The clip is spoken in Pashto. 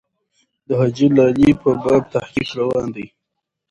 د حاجي لالي په باب تحقیق روان دی.